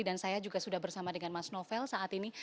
dan saya juga sudah bersama dengan mas novel saat ini